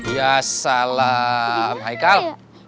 ya salam hai kal